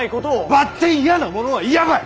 ばってん嫌なものは嫌ばい！